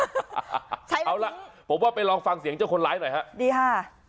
เอาล่ะผมว่าไปลองฟังเสียงเจ้าคนร้ายหน่อยฮะดีค่ะ